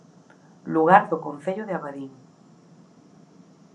Lugar do Concello de Abadín